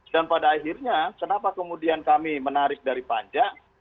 dan pada akhirnya kenapa kemudian kami menarik dari panjang